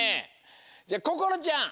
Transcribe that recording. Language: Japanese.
じゃあこころちゃん。